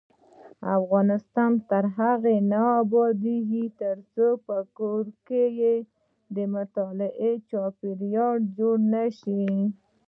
افغانستان تر هغو نه ابادیږي، ترڅو په کور کې د مطالعې چاپیریال جوړ نشي.